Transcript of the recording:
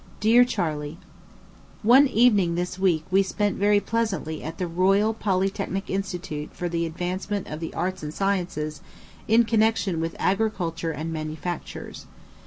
DEAR CHARLEY: One evening this week we spent very pleasantly at the Royal Polytechnic Institution for the advancement of the arts and sciences in connection with agriculture and manufactures.